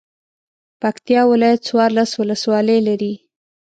پکتیا ولایت څوارلس ولسوالۍ لري.